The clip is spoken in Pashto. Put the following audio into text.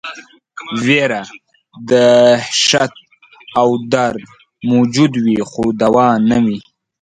ویره، دهشت او درد موجود وي خو دوا نه وي.